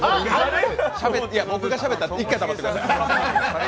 僕がしゃべってるので一回黙ってください。